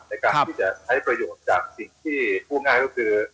ในการที่จะใช้ประโยชน์จากสิ่งที่พูดง่ายก็คือ